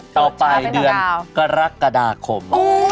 ต่อไปเดือนกรกฎาคม